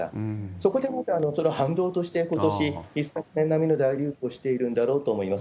そこでまたその反動として、ことし、一昨年並みの大流行をしているんだろうと思います。